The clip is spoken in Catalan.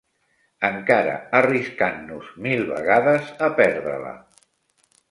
encara arriscant-nos mil vegades a perdre-la